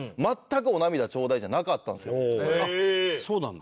あっそうなんだ。